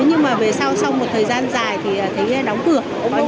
nhưng mà về sau sau một thời gian dài thì thấy đóng cửa